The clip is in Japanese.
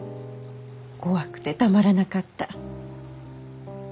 怖くてたまらなかった。